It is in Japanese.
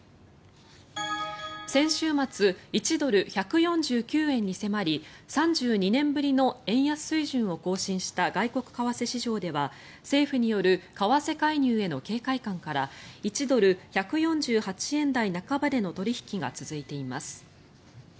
先週末１ドル＝１４９円に迫り３２年ぶりの円安水準を更新した外国為替市場では政府による為替介入への警戒感から１ドル＝１４８円台半ばでの取引が続いています。